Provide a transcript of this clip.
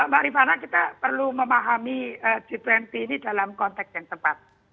mbak rifana kita perlu memahami g dua puluh ini dalam konteks yang tepat